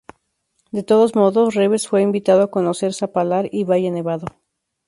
De todos modos, Reeves fue invitado a conocer Zapallar y Valle Nevado.